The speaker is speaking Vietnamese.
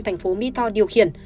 thành phố mỹ tho điều khiển